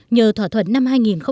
nhờ thỏa thuận năm hai nghìn ba